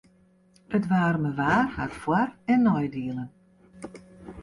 It waarme waar hat foar- en neidielen.